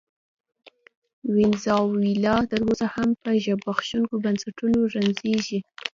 وینزویلا تر اوسه هم له زبېښونکو بنسټونو رنځېږي.